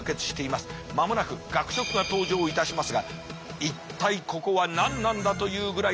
間もなく学食が登場いたしますが一体ここは何なんだというぐらいの食堂。